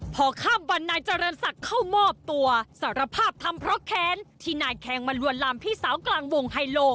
พอข้ามวันนายเจริญศักดิ์เข้ามอบตัวสารภาพทำเพราะแค้นที่นายแคงมาลวนลามพี่สาวกลางวงไฮโล